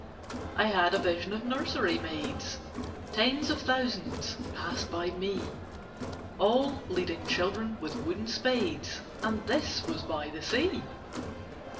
I had a vision of nursery maids; Tens of thousands passed by me— All leading children with wooden spades, And this was by the Sea.